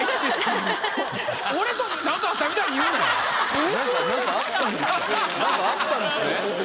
・意味深・・何かあったんですね